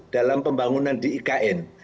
dalam pembangunan di ikn